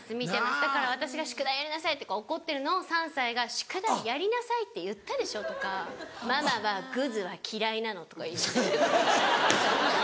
だから私が宿題やりなさいって怒ってるのを３歳が「宿題やりなさいって言ったでしょ」とか「ママはグズは嫌いなの」とか言います。